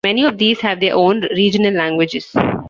Many of these have their own regional languages.